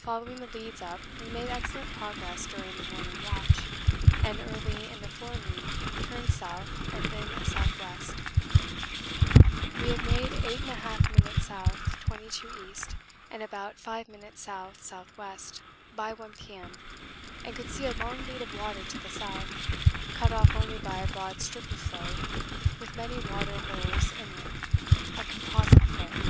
Following the leads up we made excellent progress during the morning watch, and early in the forenoon turned south, and then south west. We had made 8 1/2' S. 22 E. and about 5' S.S.W. by 1 P.M., and could see a long lead of water to the south, cut off only by a broad strip of floe with many water holes in it: a composite floe.